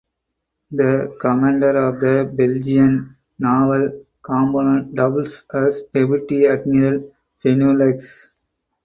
The commander of the Belgian Naval Component doubles as Deputy Admiral Benelux.